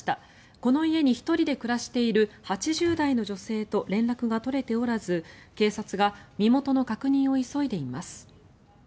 この家に１人で暮らしている８０代の女性と連絡が取れておらず警察が身元の確認を急いでいます。